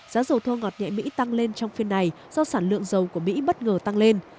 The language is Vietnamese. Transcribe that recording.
giá dầu thô ngọt nhẹ mỹ tăng lên trong phiên này do sản lượng dầu của mỹ bất ngờ tăng lên